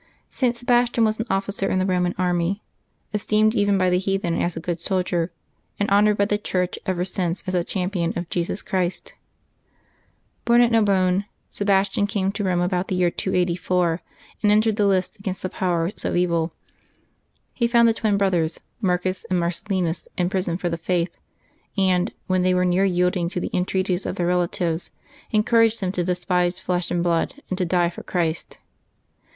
T. Sebastian was an officer in the Eoman army, es teemed even by the heathen as a good soldier, and honored by the Church ever since as a champion of Jesus Christ. Born at ISTarbonne, Sebastian came to Eome about the year 284, and entered the lists against the powers of evil. He found the twin brothers Marcus and Marcellinus in prison for the faith, and, when they were near yielding to the entreaties of their relatives, encouraged them to despise flesh and blood, and to die for Christ.